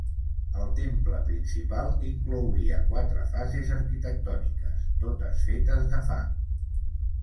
El temple principal inclouria quatre fases arquitectòniques, totes fetes de fang.